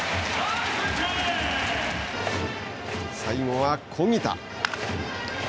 最後は小木田。